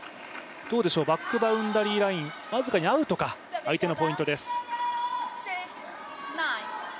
バックバウンダリーライン、僅かにアウトか、相手のポイントです。